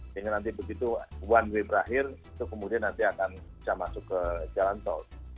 sehingga nanti begitu one way berakhir itu kemudian nanti akan bisa masuk ke jalan tol